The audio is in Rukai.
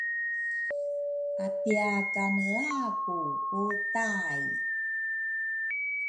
Apia kanea ku ku tai